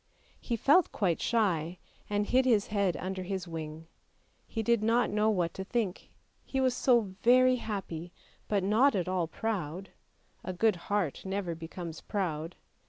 He felt quite shy, and hid his head under his wing; he did not know what to think; he was so very happy, but not at all proud; a good heart never becomes proud.